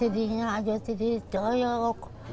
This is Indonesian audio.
di rumah di rumah